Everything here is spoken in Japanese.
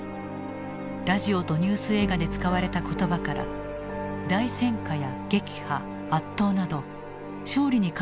ラジオとニュース映画で使われた言葉から大戦果や撃破圧倒など勝利に関連した言葉を抽出した。